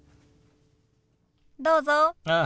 どうぞ。